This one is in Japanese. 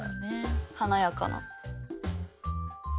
華やかな。